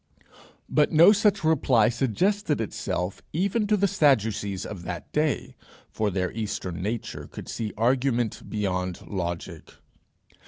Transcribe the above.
But no such reply suggested itself even to the Sadducees of that day, for their eastern nature could see argument beyond logic.